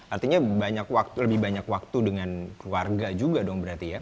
artinya lebih banyak waktu dengan keluarga juga dong berarti ya